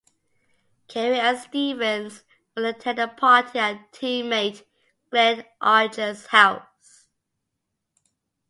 Carey and Stevens were attending a party at team mate Glenn Archer's house.